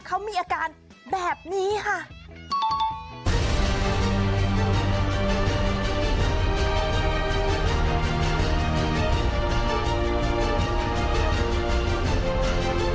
เขามีอาการแบบนี้ค่ะ